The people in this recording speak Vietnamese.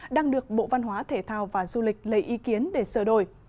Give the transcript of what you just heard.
đang được bộ văn hóa thể thao và du lịch lấy ý kiến để sửa đổi